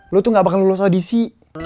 lo tuh gak bakal lulus audisi